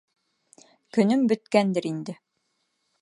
Көнөм бөткәндер инде...